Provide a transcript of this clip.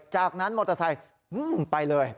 จากนั้นมอเตอร์ไซค์ไปเลย